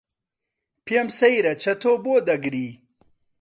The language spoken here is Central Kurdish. پێم سەیرە چەتۆ بۆ دەگری.